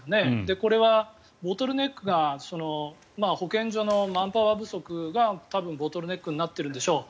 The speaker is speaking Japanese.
これはボトルネックが保健所のマンパワー不足が多分、ボトルネックになっているんでしょう。